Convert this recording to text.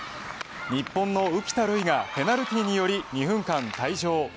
日本の浮田留衣がペナルティーにより２分間退場。